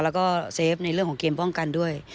แล้วก็เซฟในเรื่องของเกมป้องกันด้วย